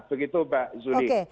begitu pak zulik